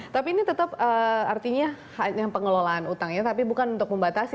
tapi ini tetap artinya yang pengelolaan utangnya tapi bukan untuk membatasi